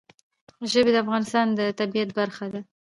ژبې د افغانستان د طبیعت برخه ده.